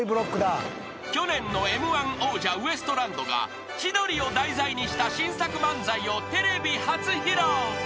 ［去年のＭ−１王者ウエストランドが千鳥を題材にした新作漫才をテレビ初披露］